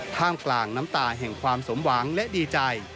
ท่ามกลางน้ำตาแห่งความสมหวังและดีใจ